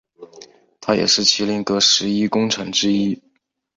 他也是麒麟阁十一功臣之一。